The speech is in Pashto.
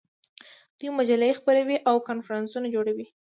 دوی مجلې خپروي او کنفرانسونه جوړوي.